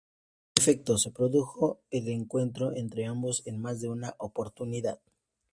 En efecto, se produjo el encuentro entre ambos, en más de una oportunidad.